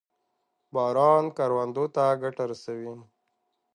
باران کروندو ته ګټه رسوي.